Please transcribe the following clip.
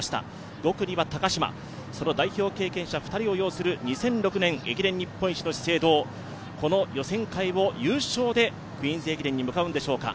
５区には高島その代表経験者２人を擁する資生堂、この予選会を優勝でクイーンズ駅伝に向かうのでしょうか。